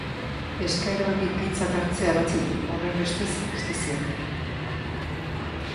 Eskaera hori aintzat hartzea ebatzi du, horrenbestez, justiziak.